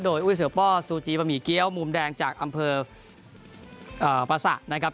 โดยอุ้ยเสือป้อซูจีบะหมี่เกี้ยวมุมแดงจากอำเภอประษะนะครับ